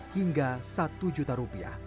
hingga rp satu juta